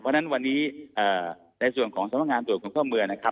เพราะนั้นวันนี้ในส่วนของสำลังงานส่วนคุณเพ่าเมือง